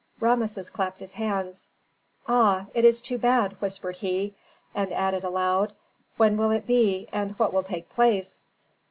Rameses clapped his hands. "Ah, it is too bad!" whispered he, and added aloud. "When will it be, and what will take place?"